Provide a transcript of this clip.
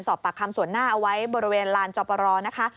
สอบปากคำส่วนหน้าเอาไว้บริเวณลานจอปรนะคะ